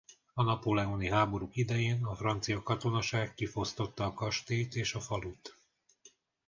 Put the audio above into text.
A napóleoni háborúk idején a francia katonaság kifosztotta a kastélyt és a falut.